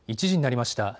１時になりました。